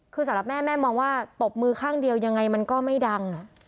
คือสำหรับแม่แม่มองว่าตบมือข้างเดียวยังไงมันก็ไม่ดัง